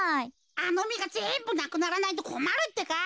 あのみがぜんぶなくならないとこまるってか。